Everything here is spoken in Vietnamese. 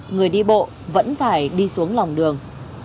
người đi bộ vẫn phải đi xuống lòng đường